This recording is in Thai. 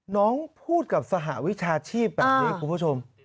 น้องพูดกับสหวิชาชีพแบบนี้คุณผู้ชม